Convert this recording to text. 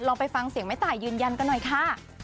ไปฟังเสียงแม่ตายยืนยันกันหน่อยค่ะ